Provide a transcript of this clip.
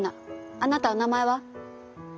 あなたお名前は？